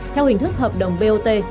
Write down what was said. theo hình thức hợp đồng bot